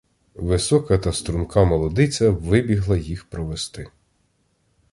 Висока та струнка молодиця вибігла їх провести.